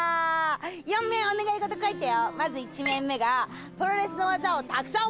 ４面お願い事書いたよ！